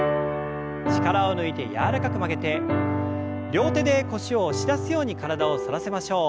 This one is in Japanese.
力を抜いて柔らかく曲げて両手で腰を押し出すように体を反らせましょう。